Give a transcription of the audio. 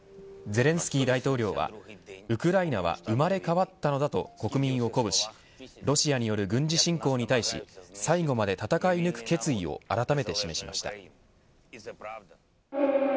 ゼレンスキー大統領はウクライナは生まれ変わったのだと国民を鼓舞しロシアによる軍事侵攻に対し最後まで戦い抜く決意をあらためて示しました。